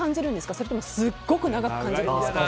それともすごく長く感じるんですか？